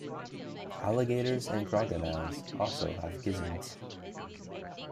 Alligators and crocodiles also have gizzards.